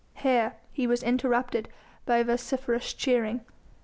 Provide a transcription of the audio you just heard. Here he was interrupted by vociferous cheering.